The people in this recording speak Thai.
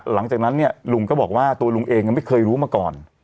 หลังจากนั้นเนี่ยลุงก็บอกว่าตัวลุงเองไม่เคยรู้มาก่อน